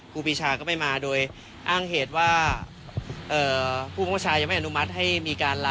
ครูปีชาก็ไม่มาโดยอ้างเหตุว่าพวกผู้เฉยยังไม่อนุมัติให้มีการลานะครับ